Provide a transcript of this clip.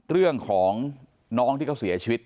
เรื่องของน้องที่เขาเสียชีวิต